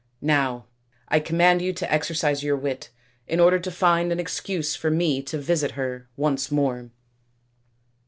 Now, I command you to exercise your wit in order to find an excuse for me to visit her once more."